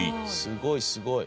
すごいすごい。